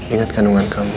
ingat kandungan kamu